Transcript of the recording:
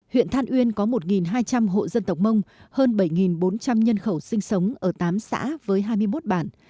huyện than uyên có một hai trăm linh hộ dân tộc mông hơn bảy bốn trăm linh nhân khẩu sinh sống ở tám xã với hai mươi một bản